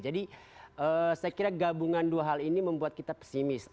jadi saya kira gabungan dua hal ini membuat kita pesimis